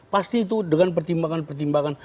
pasti itu dengan pertimbangan pertimbangan